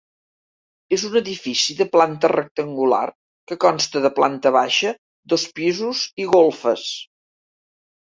És un edifici de planta rectangular que consta de planta baixa, dos pisos i golfes.